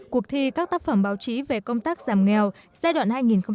cuộc thi các tác phẩm báo chí về công tác giảm nghèo giai đoạn hai nghìn một mươi sáu hai nghìn hai mươi